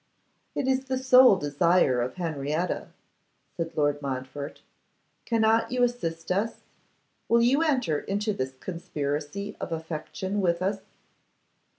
'It is the sole desire of Henrietta,' said Lord Montfort; 'cannot you assist us? Will you enter into this conspiracy of affection with us?